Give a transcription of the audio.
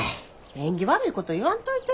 縁起悪いこと言わんといて。